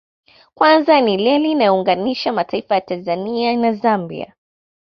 Kwanza ni reli inayoyounganisha mataifa ya Tanzania na Zambia